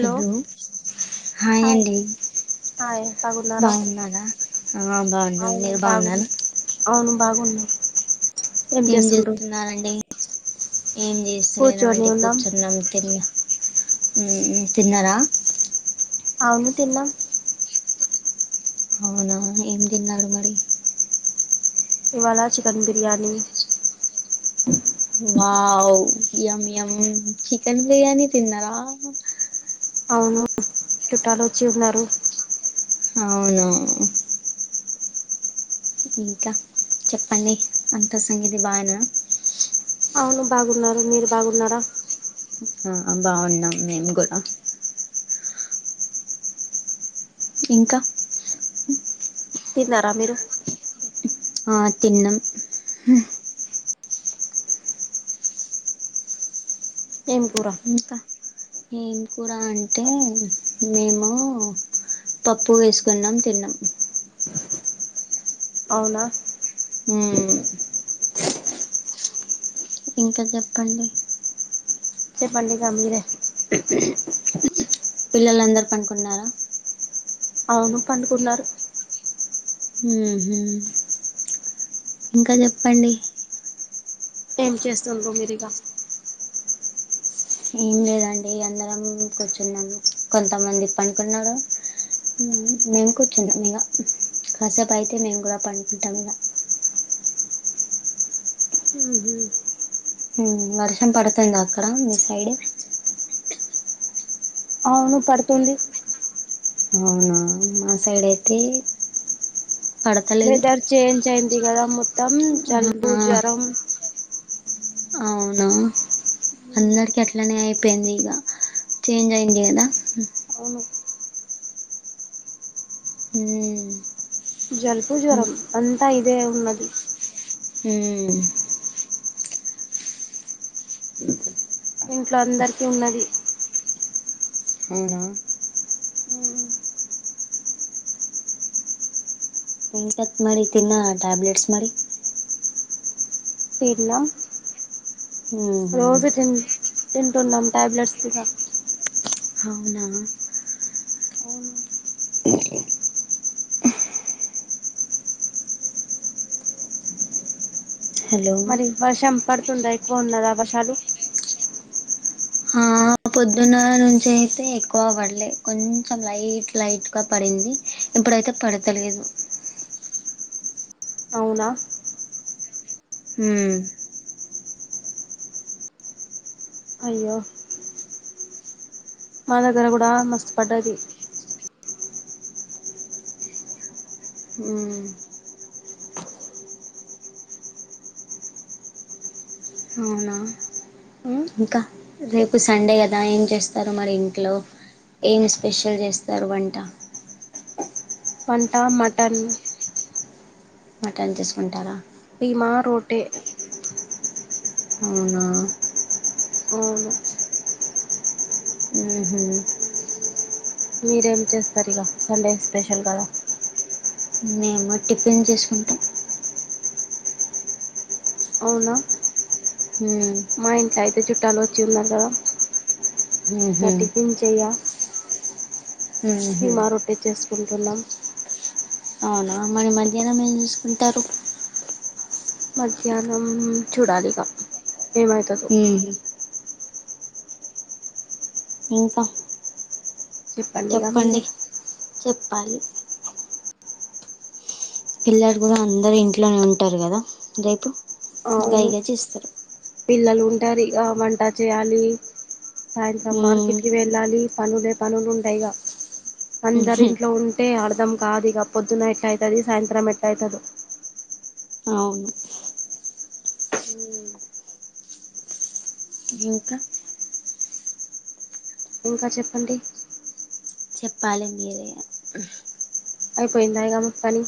Hello hi అండి బాగున్నారా ఆ బాగున్నాం మీరు బాగున్నారా అవును బాగున్నా ఏం చేస్తున్నారండి ఏం కూర్చొని చేస్తలేనండి ఉన్నాం కూర్చున్నాం తీన్ తిన్నరా అవును తిన్నాం అవునా ఏం తిన్నారు మరి ఇవాళ chicken biryani wow yum yum chicken biryani తిన్నారా అవును చుట్టాలు వచ్చి ఉన్నారు అవును ఇంకా చెప్పండి అంత సంగతి బాగేనా అవును బాగున్నారు మీరు బాగున్నారా ఆ బాగున్నాం మేము కూడా ఇంకా. తిన్నారా మీరు. ఆ తిన్నం. ఏం కూర. ఇంకా ఏం కూర అంటే మేము. పప్పు వేసుకున్నాం తిన్నం. అవునా. ఉమ్. ఇంకా చెప్పండి. చెప్పండి ఇక మీరే. పిల్లల అందరూ పనుకున్నారా. అవును పండుకున్నారు. ఉహు ఇంకా చెప్పండి. ఏం చేస్తుండ్ర మీరు ఇగ. ఏం లేదండి అందరం కూర్చున్నాం కొంతమంది పనుకున్నారు. ఉ మేము కూర్చున్నాం ఇగ కాసేపు అయితే మేము కూడా పండుకుంటాం ఇగ. ఉహు. ఉ వర్షం పడుతుంద అక్కడ మీ సైడ్. అవును పడుతుంది. అవునా మా సైడ్ అయితే. పడతలేదు వెదర్ చేంజ్ అయింది కదా మొత్తం జలుబు ఆ జ్వరం. అవునా. అందరికి అట్లనే అయిపేయింది ఇగ చేంజ్ అయింది కదా. అవును. హ్మ్. జల్పు హ్మ్ జ్వరం అంతా ఇదే ఉన్నది. హ్మ్. ఇంట్లో అందరికి ఉన్నది. అవునా. హు. తత్ మీరి తిన్నార్ ట్యాబ్లేెట్స్ మరి. తిన్నా ఉహు రోజు తి తింటున్నాం టాబ్లెట్స్ తిగ. అవునా. అవును. హలో మరి వర్షం పడుతుందా ఎక్కువ ఉన్నదా వర్షాలు. ఆ పొద్దున్న నుంచైతే ఎక్కువ పడలే కొంచెం లైట్ లైట్గా పడింది. ఇప్పుడైతే పడతలేదు. అవునా. హు. అయ్యో. మా దగ్గర కూడా మస్తు పడ్డది. ఉం. అవునా. ఉమ్ ఇంకా రేపు సండే కదా ఏం చేస్తారు మరి ఇంట్లో. ఏం స్పెషల్ చేస్తారు వంట. వంట మటన్. మటన్ తీసుకుంటారా. ఫీమా రోటే. అవునా. అవును. ఉహు. మీరేం చేస్తారు ఇక సండే స్పెషల్ కదా. మద్ టిఫిన్ చేసుకుంటె. అవునా. హ. మా ఇంట్లో అయితే చుట్టాలు వచ్చి ఉన్నారు కదా నా ఉహు టిఫిన్ చెయ. ఉహు కిమా రొట్టె చేసుకుంటున్న. అవునా మరీ మధ్యాహ్నం ఏము చేసుకుంటారు. మధ్యాహ్నం చూడాలిక ఏమై. ఊ. ఇంత. ఇక మీరే చెప్పండి చెప్పాలి. పిల్లడు కూడా అందరు ఇంట్లోనే ఉంటారు కదా రేపు గై అవును గై చేస్తరు. పిల్లలు ఉంటారు ఇక వంట చేయాలి సాయంత్రం మ్మ్. మార్కెట్కి వెళ్. డాలి పనులే పనులు ఉంటయిగా అందరు ఇంట్లో ఉన్. ట్టే ఆడదాం కాదు ఇక పొద్దున ఎట్ట అయితది సాయంత్రం ఎట్ట అయితదో. అవును. ఉ. ఇంకా. ఇంకా చెప్పండి. చెప్పాలి మీరే. అయిపోయింద ఇక మీ పని.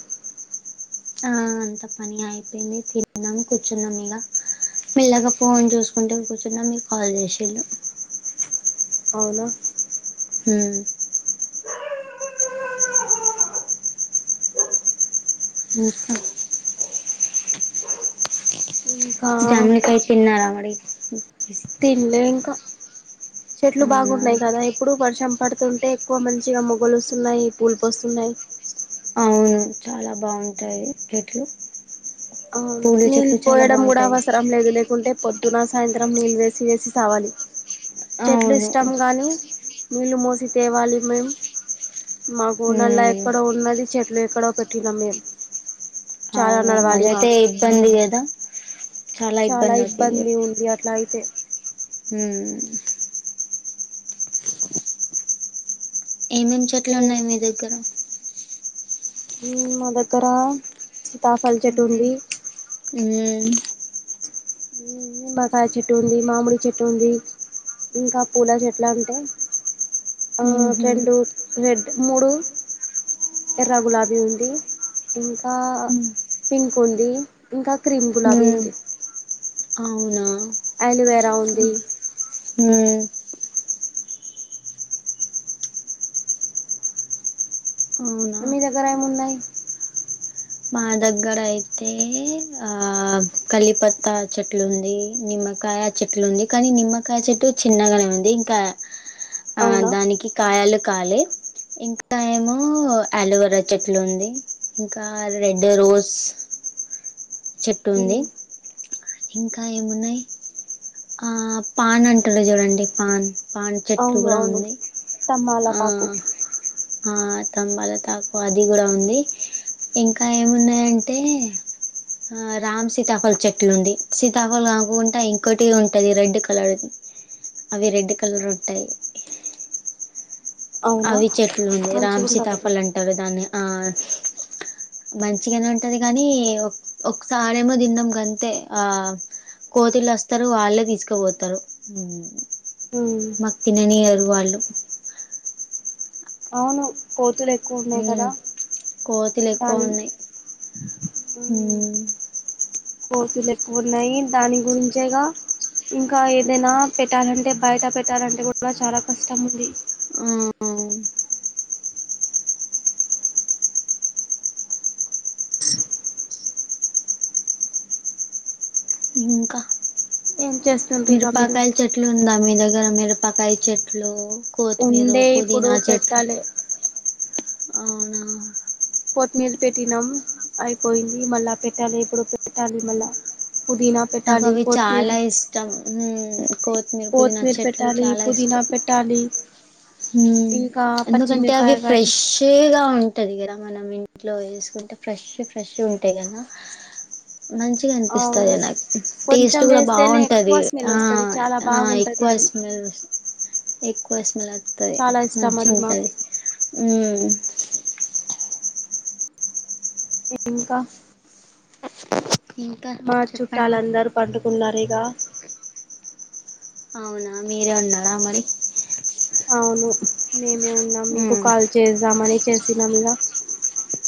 ఆ అంత పని అయిపోయింది తిన్నాం కూర్చున్నాం ఇగ. మిల్లాగా ఫోన్ చూసుకుంటే కూర్చున్నా మీరూ కాల్ చేసిళ్ళు. అవునా. హ. ఇంకా. ఉమ్. జామడకాయ్ చిన్న రమడి. తింల్లే ఇంకా చెట్లు అవునా బాగున్నాయి గదా ఇప్. ఇప్పుడు వర్షం పడుతుంటే ఎక్కువ మంచిగా మొగ్గ లోస్తున్నాయి పూలుపూస్తున్నాయి. అవును చాలా బా. బాగుంటాయి చెట్లు. అవును పూలు నీళ్ళు చెట్లు చాలా పోయడం గూడా బాగుంటాయి అవసరం లేదు లేకుంటే. పొద్దున సాయంత్రం నీళ్ళు వేసి వేసి సావాలి చెట్లు అవును ఇష్టం గాని. నీళ్ళు మోసి తేవాలి మేమ్. మాకు నల్లా ఉమ్ ఎక్కడో ఉన్నది చెట్లు ఎక్కడో పెట్టినాం మేం చాలా. నడవాలి. తే మాకు ఇబ్బంది గదా చాలా ఇబ్బంది అవుతాయి ఇగ. ఉంది అట్లా అయితే ఉమ్ ఏమేమి చెట్లు ఏం ఉన్నాయి మీ దగ్గర ఉమ్ మా దగ్గర సీతాఫల్ చెట్టు ఉంది ఉమ్ ఉమ్ నిమ్మకాయ చెట్టు ఉంది మామిడి చెట్టు ఉంది ఇంకా పూల చెట్ల అంటే ఆ ఉమ్ రెండు రెడ్ మూడు ఎర్ర గులాబీ ఉంది ఇంకా పింక్ ఉంది ఇంకా క్రీమ్ గులాబీ ఉమ్, ఉంది అవునా అల్లోవేరా ఉంది ఉమ్ అవునా మీ దగ్గర ఏమున్నాయ్ మా దగ్గర అయితే ఆ కలిపత్తా చెట్లు ఉంది నిమ్మకాయ చెట్లు ఉంది కానీ నిమ్మకాయ చెట్టు చిన్నగానే ఉంది ఇంకా ఆ అవునా దానికి కాయలు కాలే ఇంకా ఏమో అలోవేరా చెట్లు ఉంది ఇంకా పెద్ద రోస్ చెట్టు ఉంది ఉమ్, ఇంకా ఏమున్నాయ్ ఆ పాన్ అంటారు చూడండి పాన్ పాన్ చెట్లు అవును గూడా అవును ఉంది ఆ తమ్మాలపాకు ఆ తంబాల తాకు అది గూడా ఉంది ఇంకా ఏమున్నాయంటే [inaudible] ఆ రామ్ సీతాఫల్ చెట్లుంది సీతాఫల్ కాకుంటా ఇంకోటి ఉంటది రెడ్ కలర్ ది అవి రెడ్ కలర్ ఉంటాయి అవునా అవి చెట్లు ఉంది రామ్ మంచిగుంటదది సీతాఫల్ అంటారు దాన్ని ఆ మంచిగానే ఉంటది గానీ ఒకసారేమో తిన్నాం అంతే ఆ కోతులు వస్తరు వాళ్ళే తీసుకపోతరు ఉమ్ ఉమ్ తిననీయరు వాళ్ళు అవును కోతులు ఎక్కువ ఉన్నాయి కదా కోతులు ఎక్కువ దాని ఉన్నాయి ఉమ్ కోతులు ఎక్కువ ఉన్నాయి దాని గురించేగా ఇంకా ఏదైనా పెట్టాలంటే బయట పెట్టాలంటే గూడా చాలా కష్టం ఉంది ఆ [inaudible] ఇంకా ఏం చేస్ మిరపకాయ చెట్లు ఉందా మీ దగ్గర మిరపకాయ చెట్లు కొత్తిమీర ఉండే ఇప్పుడు పుదీనా చెట్లు పెట్టాలి అవునా కోత్తిమీరు పెట్టినాం అయిపోయింది మళ్ళా పెట్టాలి ఇప్పుడు పెట్టాలి మళ్ళా పుదీనా నాకు పెట్టాలి అవి కొత్తిమీర చాలా ఇష్టం హ్మ్ కొత్తిమీర పుదీనా చెట్లు పెట్టాలి చాలా పుదీనా ఇష్టం పెట్టాలి ఇంకా ఎందుకు అంటే అవి పచ్చిమిరపకాయలు ఫ్రెష్ తేరు గా ఉంటంది కదా మనం ఇంట్లో చేసుకుంటే ఫ్రెష్ ఫ్రెష్ ఉంటాయి కదా మంచిగా అవును అనిపిస్తాది నాక్ టేస్ట్ కొంచెం కూడా వేస్తేనే బాగుంటది ఎక్కువ స్మెల్ ఆ వస్తది చాలా ఆ బాగుంటది ఎక్కువ అది స్మెల్ ఎక్కువ స్మెల్ వస్తది చాలా ఇష్టం మాజీ గా అది ఉంటాది మాకు ఉహ్మ్ ఇంకా ఇంకా మా చెప్పండి చుట్టాలందరూ పండుకున్నారు ఇగ అవునా మీరే ఉన్నారా మరి అవును మేమే ఉన్నాం మీకు హ్మ్ కాల్ చేద్దామని చేసినాం గా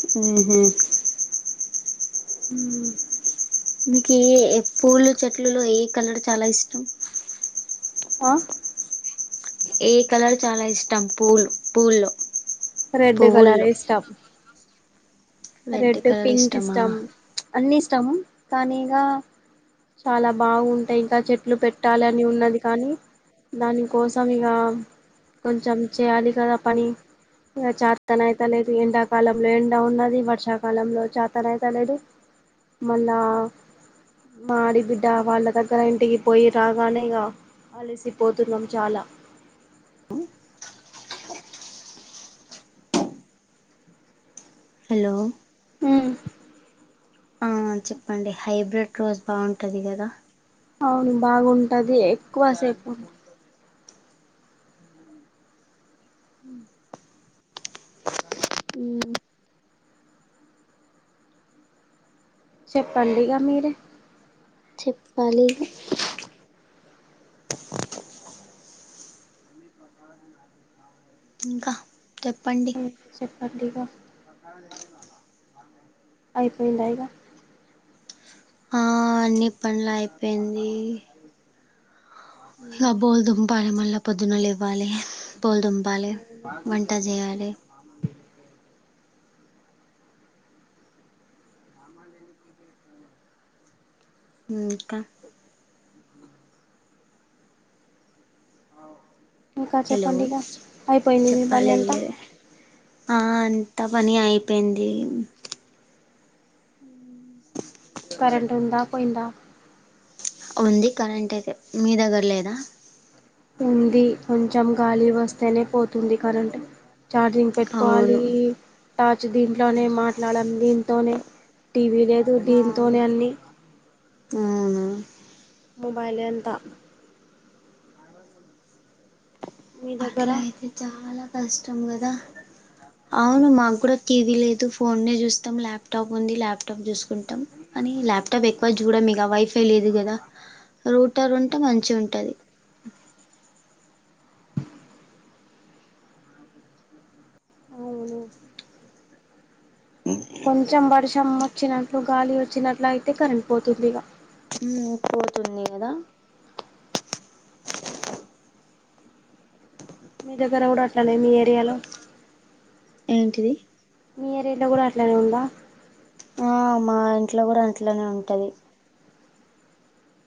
ఉహు ఉ మీకు ఏ ఏ పూలు చెట్లు లో ఏ కలర్ చానా ఇష్టం ఆ ఏ కలర్ చాలా ఇష్టం పూలు పూల్లో రెడ్ కలర్ పువ్వుల్లో ఇష్టం రెడ్ కలర్ పింక్ ఇష్టమా ఇష్టం ప్చ్ అన్నీ ఇష్టము కానీ ఇగ చాలా బాగుంటాయి ఇంకా చెట్లు పెట్టాలి అని ఉన్నది కానీ దానికోసం ఇగ కొంచెం చేయాలి కదా పని ఇంగ చాథన్ అయితా లేదు ఎండా కాలం లో ఎండ ఉన్నది వర్ వర్షాకాలంలో చాథన్ అయితా లేదు మళ్ళా మాడి బిడ్డ వాళ్ళ దగ్గర ఇంటికి పోయి రావాలి ఈగ అలసిపోతున్నాం చాలా హలో ఉ ఆ చెప్పండి హైబ్రిడ్ రోస్ బాగుంటది కదా అవును బాగుంటది ఎక్కువ సేపు ఉ మ్మ్ చెప్పండి ఇగ మీరే చెప్పాలి ఇగ అ ఇంకా చెప్పండి చెప్పండి ఇగ అయిపోయిందా ఇగ ఆ అన్ని పనులు అయిపోయింది హా బోలు దుంపాలి మళ్ళా పొద్దున్న లేవాలి బోలు దుంపపాలి వంట చేయాలి [unintelligible] ఉ ఇంకా ఇంకా హలో చెప్పండి ఇగ అయిపోయింది మీ పని చెప్పాలి అంతా మీరే ఆ అంత పని అయిపోయింది కరెంట్ ఉందా పోయిందా ఉంది కరెంట్ అయితే మీ దగ్గర లేదా ఉంది కొంచెం గాలి వస్తేనే పోతుంది కరెంట్ ఛార్జింగ్ పెట్టుకోవాలి అవును టార్చ్ దీంట్లోనే మాట్లాడం దీంతోనే టీవీ లేదు దీంతోనే అన్ని అవును మొబైల్ ఐ అంతా మీ దగ్గర అట్లైయితే చాలా కష్టం కదా అవును మాక్ కుడ టీవీ లేదు ఫోన్నే చూస్తాం ల్యాప్టాప్ ఉంది ల్యాప్టాప్ చుస్ ఉంటం కనీ ల్యాప్టాప్ ఎక్కువ చూడం ఇగ వైఫ్ తెలిదు గదా రూటర్ ఉంటే మంచిగుంటది అవును కొంచం వర్షం వచ్చినట్లు గాలి వచ్చినట్లు అయితే కరెంట్ పోతుంది ఇగ మ్ పోతుంది కదా మీ దగ్గర కూడా అట్లానే మీ ఏరియాలో ఏంటిది మీ ఏరియలో కూడా అట్లనే ఉందా అ మా ఇంట్లో కూడా అట్లనే ఉంటది